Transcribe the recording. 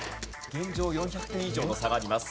現状４００点以上の差があります。